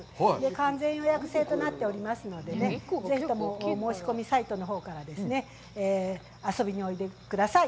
完全予約制となっておりますので、ぜひとも申し込みサイトのほうから遊びにおいでください。